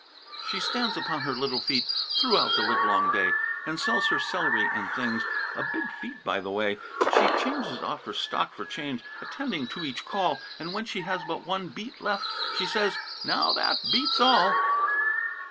She stands upon her little feet Throughout the livelong day, And sells her celery and things A big feat, by the way. She changes off her stock for change, Attending to each call; And when she has but one beet left, She says, "Now, that beats all."